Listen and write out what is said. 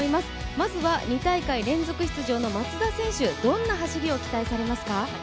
まずは２大会連続出場の松田選手、どんな走りを期待されますか？